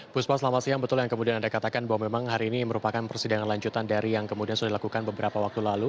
puspa selamat siang betul yang kemudian anda katakan bahwa memang hari ini merupakan persidangan lanjutan dari yang kemudian sudah dilakukan beberapa waktu lalu